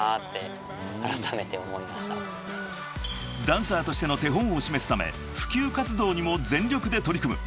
［ダンサーとしての手本を示すため普及活動にも全力で取り組む］